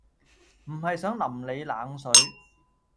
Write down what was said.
唔係想淋你冷水